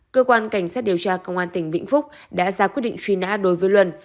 cơ quan cảnh sát điều tra công an tỉnh vĩnh phúc đã ra quyết định truy nã đối với luân